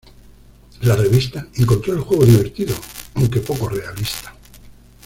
La revista encontró el juego divertido, aunque poco realista.